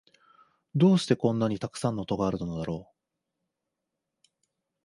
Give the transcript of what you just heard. どうしてこんなにたくさん戸があるのだろう